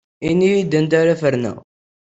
Ini-iyi-d anta ara ferneɣ.